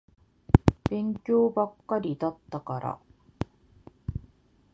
勉強ばっかりだったから。